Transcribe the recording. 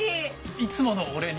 いつものお礼に。